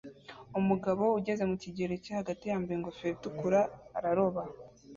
Umugabo ugeze mu kigero cyo hagati yambaye ingofero itukura araroba